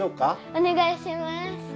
おねがいします！